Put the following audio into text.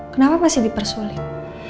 kenapa masih dipersulit